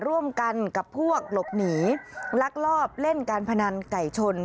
ร่วมกันกับพวกหลบหนีลักลอบเล่นการพนันไก่ชน